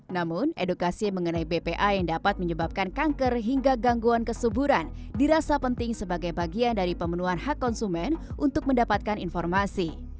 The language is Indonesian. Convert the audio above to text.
namun edukasi mengenai bpa yang dapat menyebabkan kanker hingga gangguan kesuburan dirasa penting sebagai bagian dari pemenuhan hak konsumen untuk mendapatkan informasi